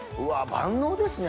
万能ですね。